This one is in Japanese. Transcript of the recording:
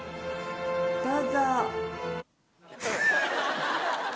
どうぞ！